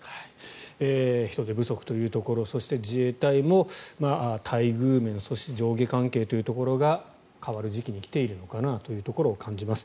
人手不足というところそして自衛隊も待遇面、そして上下関係というところが変わる時期に来ているのかなというところを感じます。